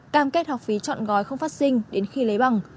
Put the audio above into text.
cam kết học phí chọn gói không phát sinh đến khi lấy bằng